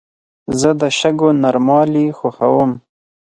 زه د شګو نرموالي خوښوم.